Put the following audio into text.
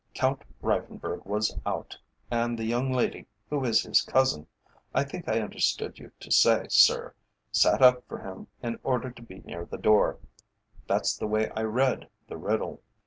Count Reiffenburg was out, and the young lady, who is his cousin, I think I understood you to say, sir, sat up for him in order to be near the door. That's the way I read the riddle."